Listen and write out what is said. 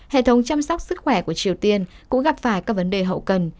hệ thống chăm sóc sức khỏe của triều tiên cũng gặp phải các vấn đề hậu cần